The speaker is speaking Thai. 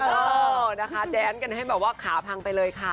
เออนะคะแดนกันให้แบบว่าขาพังไปเลยค่ะ